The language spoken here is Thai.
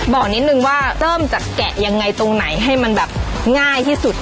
บอกนิดนึงว่าเริ่มจากแกะยังไงตรงไหนให้มันแบบง่ายที่สุด